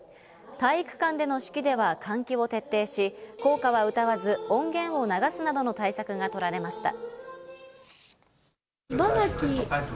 体育館での式では換気を徹底し、校歌は歌わず音源を流すなどの対策がとられました。